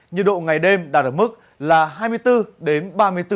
nhiệt độ ngày đêm đạt được mức là hai mươi bốn đến ba mươi độ